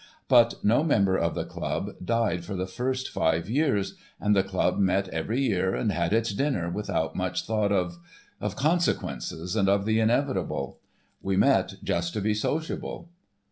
But no member of the club died for the first five years, and the club met every year and had its dinner without much thought of—of consequences, and of the inevitable. We met just to be sociable."